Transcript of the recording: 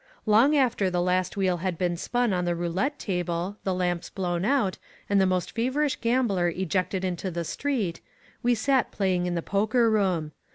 Long after the last wheel had been spun on the roulette table, the lamps blown out, and the most feverish gambler ejected into the street, we sat play ing in the poker room.